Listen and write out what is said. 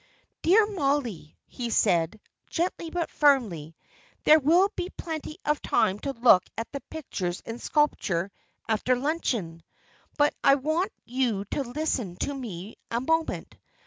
"Dear Mollie," he said, gently but firmly, "there will be plenty of time to look at the pictures and sculpture after luncheon; but I want you to listen to me a moment.